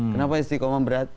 kenapa istiqomah berat